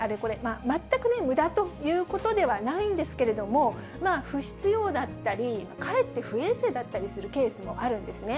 全くね、むだということではないんですけれども、不必要だったり、かえって不衛生だったりするケースもあるんですね。